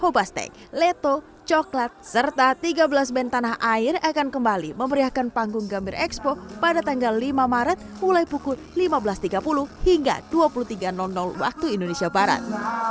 pobastek leto coklat serta tiga belas band tanah air akan kembali memeriahkan panggung gambir expo pada tanggal lima maret mulai pukul lima belas tiga puluh hingga dua puluh tiga waktu indonesia barat